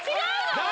誰？